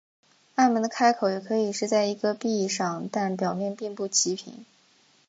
暗门的开口也可以是在一个壁上但表面并不齐平。